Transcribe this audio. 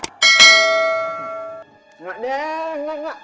nggak deh nggak